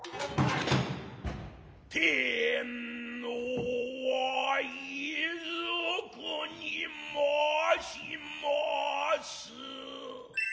天皇はいづくにまします。